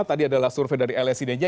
tadi adalah survei dari lsi dni ja